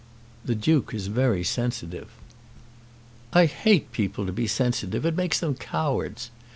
"The Duke is very sensitive." "I hate people to be sensitive. It makes them cowards.